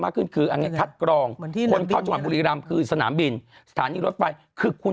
มากขึ้นคืออันนี้คัดกรองคือสนามบินสถานีรถไฟคือคุณ